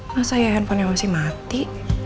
masa ya handphonenya masih mati